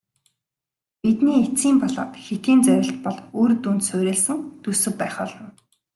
Бидний эцсийн болоод хэтийн зорилт бол үр дүнд суурилсан төсөв байх болно.